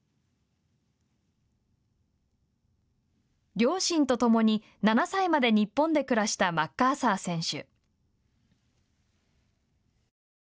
両親と共に７歳まで日本で暮らしたマッカーサー選手。